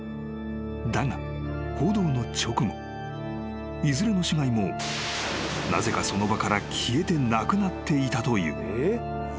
［だが報道の直後いずれの死骸もなぜかその場から消えてなくなっていたという］